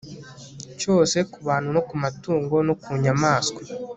cyose ku bantu no ku matungo no ku nyamaswa